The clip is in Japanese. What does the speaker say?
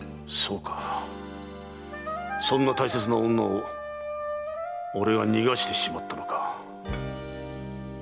そうかそんな大切な女を俺が逃がしてしまったのか。